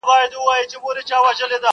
له سالو سره به څوك ستايي اورونه٫